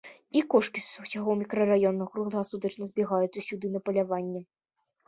І кошкі з усяго мікрараёна кругласутачна збягаюцца сюды на паляванне.